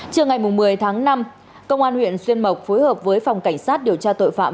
trưa ngày một mươi tháng năm công an huyện xuyên mộc phối hợp với phòng cảnh sát điều tra tội phạm